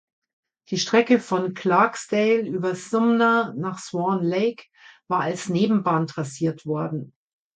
Die Strecke von Clarksdale über Sumner nach Swan Lake war als Nebenbahn trassiert worden.